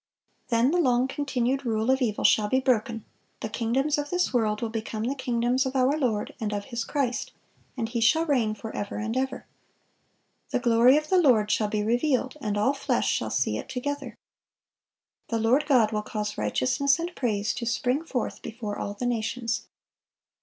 (461) Then the long continued rule of evil shall be broken; "the kingdoms of this world" will become "the kingdoms of our Lord, and of His Christ; and He shall reign forever and ever."(462) "The glory of the Lord shall be revealed, and all flesh shall see it together." "The Lord God will cause righteousness and praise to spring forth before all the nations."